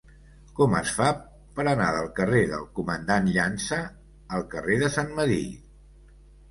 Com es fa per anar del carrer del Comandant Llança al carrer de Sant Medir?